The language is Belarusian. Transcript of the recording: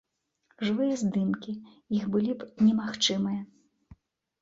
Жывыя здымкі іх былі б немагчымыя.